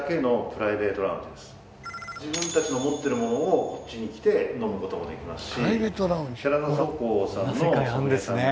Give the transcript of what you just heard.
自分たちの持っているものをこっちに来て飲むこともできますし。